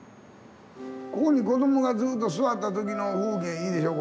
ここに子どもがずっと座った時の風景いいでしょ。